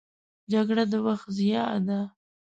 جګړه د وخت ضیاع ده